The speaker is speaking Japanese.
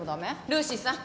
ルーシーさん